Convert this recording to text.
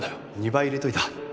２倍入れておいた。